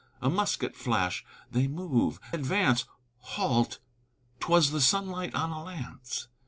A musket flash! They move! Advance! Halt! 'twas the sunlight on a lance!